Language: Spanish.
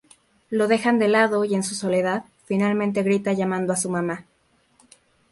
Lo dejan de lado, y en su soledad, finalmente grita llamando a su mamá.